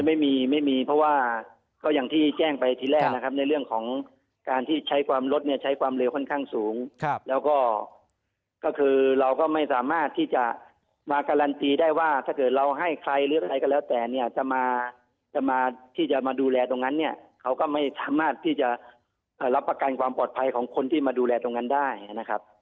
ไม่มีไม่มีเพราะว่าก็อย่างที่แจ้งไปทีแรกนะครับในเรื่องของการที่ใช้ความรถเนี่ยใช้ความเร็วค่อนข้างสูงแล้วก็คือเราก็ไม่สามารถที่จะมาการันตีได้ว่าถ้าเกิดเราให้ใครหรืออะไรก็แล้วแต่เนี่ยจะมาจะมาที่จะมาดูแลตรงนั้นเนี่ยเขาก็ไม่สามารถที่จะรับประกันความปลอดภัยของคนที่มาดูแลตรงนั้นได้นะครับ